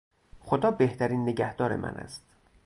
خدا بهترین نگهدار من است.